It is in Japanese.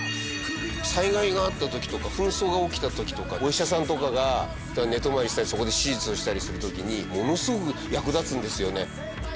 災害があった時とか紛争が起きた時とかお医者さんとかが寝泊まりしたりそこで手術をしたりする時にものすごく役立つんですよね。